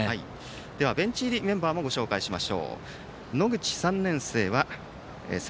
ではベンチ入りメンバーもご紹介します。